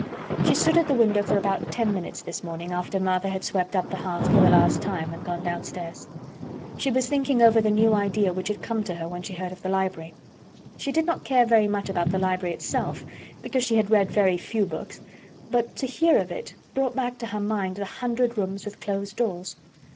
She stood at the window for about ten minutes this morning after Martha had swept up the hearth for the last time and gone downstairs. She was thinking over the new idea which had come to her when she heard of the library. She did not care very much about the library itself, because she had read very few books; but to hear of it brought back to her mind the hundred rooms with closed doors.